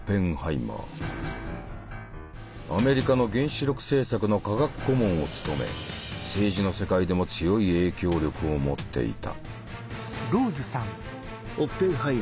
アメリカの原子力政策の科学顧問を務め政治の世界でも強い影響力を持っていた。